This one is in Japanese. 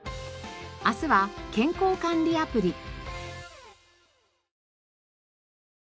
明日は健康管理アプリ。